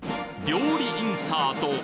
料理インサート